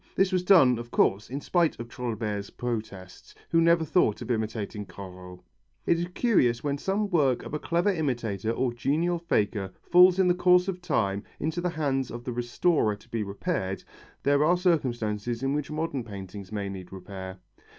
This was done, of course, in spite of Trouillebert's protests, who never thought of imitating Corot. It is curious when some work of a clever imitator or genial faker falls in the course of time into the hands of the restorer to be repaired there are circumstances in which modern paintings may need repair.